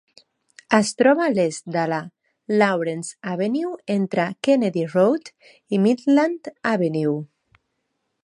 Es troba a l'est de la Lawrence Avenue entre Kennedy Road i Midland Avenue.